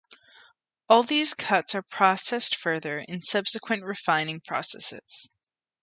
All these cuts are processed further in subsequent refining processes.